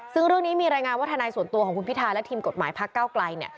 ซึ่งเรื่องนี้มีรายงานว่าทนายส่วนตัวของคุณพิทาและทีมกฎหมายพักเก้าไกล